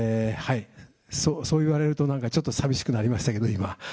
そういわれるとなんか、ちょっとさみしくなりましたけど、今。